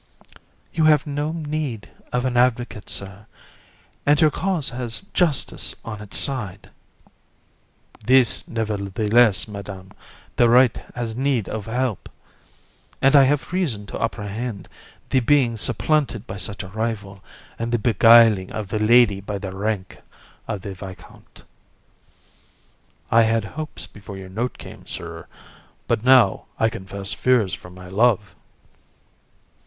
JU. You have no need of an advocate, Sir, and your cause has justice on its side. THI. This, nevertheless. Madam, the right has need of help, and I have reason to apprehend the being supplanted by such a rival, and the beguiling of the lady by the rank of the viscount. VISC. I had hopes before your note came, Sir, but now, I confess fears for my love.